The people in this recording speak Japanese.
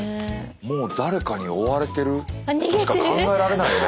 もう誰かに追われているとしか考えられないね。